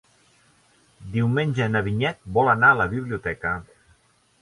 Diumenge na Vinyet vol anar a la biblioteca.